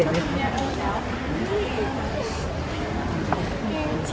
แต่ตอนแรกเราก็คิดอย่างนี้